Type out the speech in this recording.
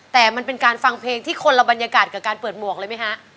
แต่มันเป็นการฟังเพลงที่คนละบรรยากาศกับการเปิดหมวกเลยไหมฮะ